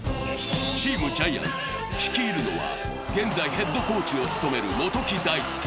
チームジャイアンツ、率いるのは現在、ヘッドコーチを務める元木大介。